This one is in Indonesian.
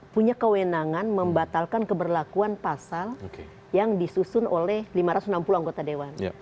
punya kewenangan membatalkan keberlakuan pasal yang disusun oleh lima ratus enam puluh anggota dewan